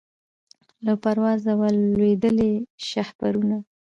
له پروازه وه لوېدلي شهپرونه